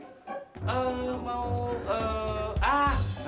eh mau eh ah